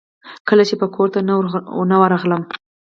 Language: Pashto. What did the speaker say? کله چې به کورته نه ورغلم.